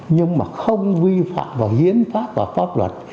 nhưng mà không vi phạm vào hiến pháp và pháp luật